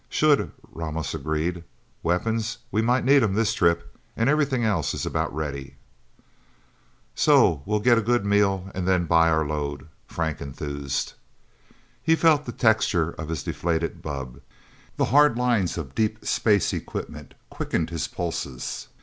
"Should," Ramos agreed. "Weapons we might need 'em this trip and everything else is about ready." "So we'll get a good meal, and then buy our load," Frank enthused. He felt the texture of his deflated bubb. The hard lines of deep space equipment quickened his pulses.